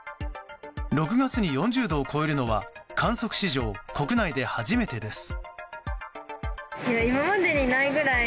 ６月に４０度を超えるのは観測史上、国内で初めてです。